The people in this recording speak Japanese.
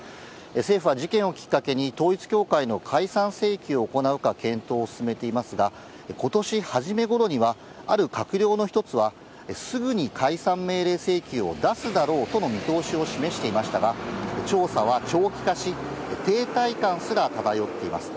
政府は事件をきっかけに、統一教会の解散請求を行うか、検討を進めていますが、ことし初めごろにはある閣僚の一つは、すぐに解散命令請求を出すだろうとの見通しを示していましたが、調査は長期化し、停滞感すら漂っています。